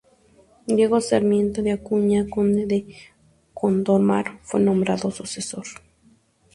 Diego Sarmiento de Acuña, conde de Gondomar, fue nombrado sucesor.